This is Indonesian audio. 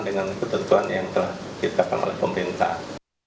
dengan ketentuan yang telah ditetapkan oleh pemerintah